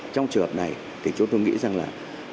trong trường hợp này thì chúng tôi nghĩ rằng là